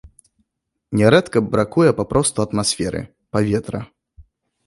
Нярэдка бракуе папросту атмасферы, паветра.